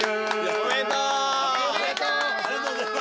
おめでとう。